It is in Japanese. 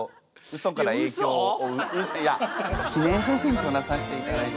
記念写真撮らさせていただいても。